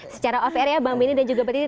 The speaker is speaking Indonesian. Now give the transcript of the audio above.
secara off air ya bang beni dan juga mbak titi